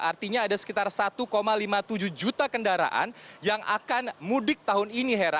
artinya ada sekitar satu lima puluh tujuh juta kendaraan yang akan mudik tahun ini hera